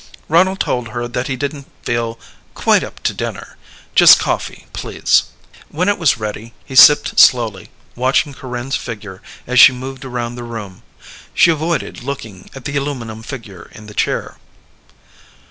Ronald told her that he didn't feel "quite up to dinner. Just coffee, please." When it was ready he sipped slowly, watching Corinne's figure as she moved around the room. She avoided looking at the aluminum figure in the chair.